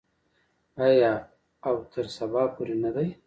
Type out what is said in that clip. آیا او تر سبا پورې نه دی؟